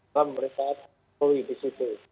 dengan mereka jokowi di situ